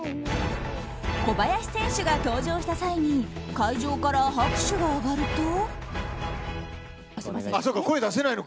小林選手が登場した際に会場から拍手が上がると。